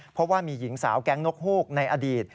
เพราะว่ามีหญิงสาวแก๊งนกฮูกในอดีต